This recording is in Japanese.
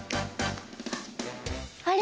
あれ？